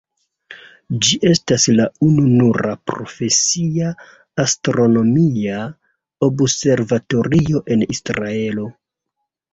Ĝi estas la ununura profesia astronomia observatorio en Israelo.